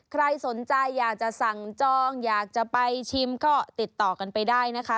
ใครสนใจอยากจะสั่งจองอยากจะไปชิมก็ติดต่อกันไปได้นะคะ